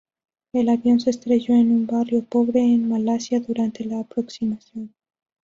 El avión se estrelló en un barrio pobre en Malasia durante la aproximación.